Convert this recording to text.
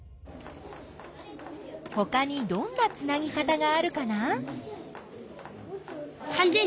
ほかにどんなつなぎ方があるかな？